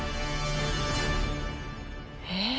え？